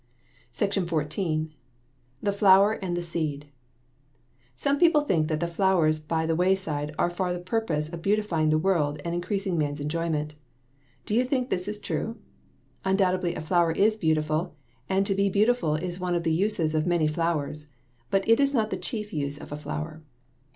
SECTION XIV. THE FLOWER AND THE SEED Some people think that the flowers by the wayside are for the purpose of beautifying the world and increasing man's enjoyment. Do you think this is true? Undoubtedly a flower is beautiful, and to be beautiful is one of the uses of many flowers; but it is not the chief use of a flower.